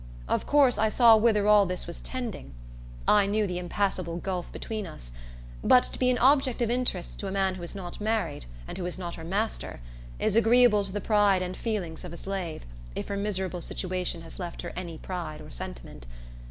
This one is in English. Of course I saw whither all this was tending. I knew the impassable gulf between us; but to be an object of interest to a man who is not married, and who is not her master, is agreeable to the pride and feelings of a slave, if her miserable situation has left her any pride or sentiment.